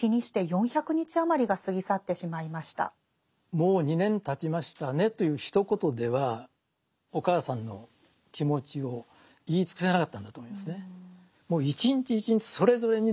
もう２年たちましたねというひと言ではお母さんの気持ちを言い尽くせなかったんだと思いますね。